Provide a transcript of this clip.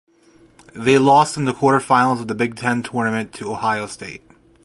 They lost in the quarterfinals of the Big Ten Tournament to Ohio State.